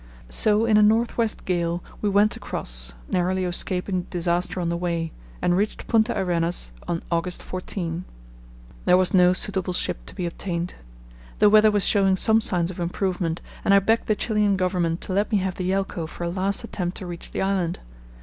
So in a north west gale we went across, narrowly escaping disaster on the way, and reached Punta Arenas on August 14. There was no suitable ship to be obtained. The weather was showing some signs of improvement, and I begged the Chilian Government to let me have the Yelcho for a last attempt to reach the island.